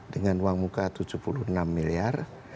dengan uang muka tujuh puluh enam miliar